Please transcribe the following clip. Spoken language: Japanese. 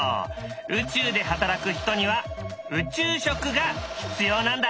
宇宙で働く人には宇宙食が必要なんだ。